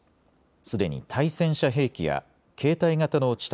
すでに対戦車兵器や携帯型の地